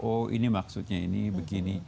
oh ini maksudnya ini begini